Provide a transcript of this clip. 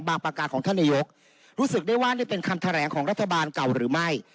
ประกาศของท่านนายกรู้สึกได้ว่านี่เป็นคำแถลงของรัฐบาลเก่าหรือไม่